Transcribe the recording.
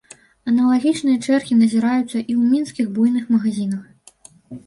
Аналагічныя чэргі назіраюцца і ў мінскіх буйных магазінах.